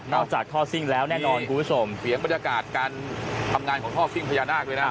อกจากท่อซิ่งแล้วแน่นอนคุณผู้ชมเสียงบรรยากาศการทำงานของท่อซิ่งพญานาคด้วยนะ